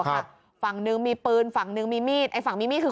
ฝั่งหนึ่งมีปืนฝั่งหนึ่งมีมีดไอ้ฝั่งมีมีดคือ